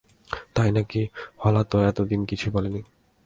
তাই নাকি, হলা তো এতদিন কিছুই বলে নি।